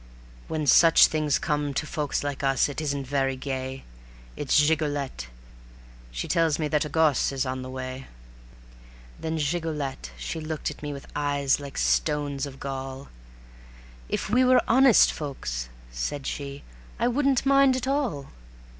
When such things come to folks like us, it isn't very gay ... It's Gigolette she tells me that a gosse is on the way." Then Gigolette, she looked at me with eyes like stones of gall: "If we were honest folks," said she, "I wouldn't mind at all.